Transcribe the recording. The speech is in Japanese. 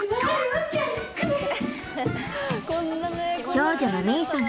長女の芽依さん